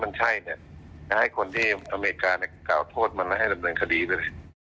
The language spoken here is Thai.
และให้คนที่อเมริกากาวโทษมาให้ระเบิดอันคดีด้วย